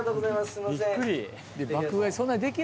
すいません。